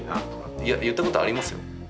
いや言ったことありますよ。